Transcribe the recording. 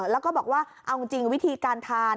แล้วก็บอกว่าเอาจริงวิธีการทาน